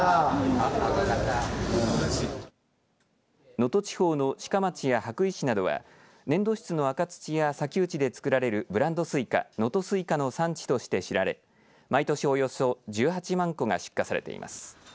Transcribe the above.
能登地方の志賀町や羽咋市などは粘土質の赤土や砂丘地で作られるブランドすいか能登すいかの産地として知られ毎年およそ１８万個が出荷されています。